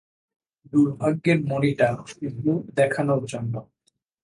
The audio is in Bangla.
দুর্ভাগ্যের মণিটা শুধু দেখানোর জন্য।